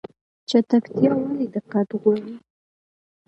چټکتیا ولې دقت غواړي؟